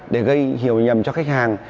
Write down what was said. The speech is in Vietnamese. để gây hiểu nhầm cho khách hàng